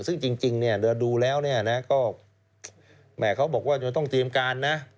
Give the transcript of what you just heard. ซึ่งจริงเดี๋ยวดูแล้วแม่เขาบอกว่าต้องเตรียมการนะ